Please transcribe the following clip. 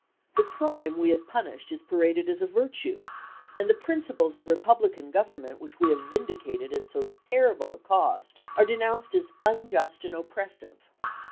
The crime we have punished is paraded as a virtue, and the principles of republican government which we have vindicated at so terrible a cost are denounced as unjust and oppressive.